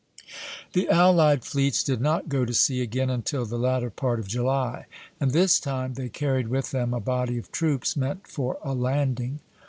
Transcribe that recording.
The allied fleets did not go to sea again until the latter part of July, and this time they carried with them a body of troops meant for a landing.